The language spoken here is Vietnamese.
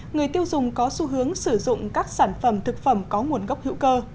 người tiêu dùng có xu hướng sử dụng các sản phẩm thực phẩm có nguồn gốc hữu cơ